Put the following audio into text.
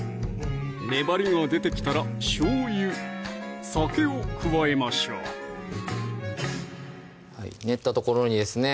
粘りが出てきたらしょうゆ・酒を加えましょう練ったところにですね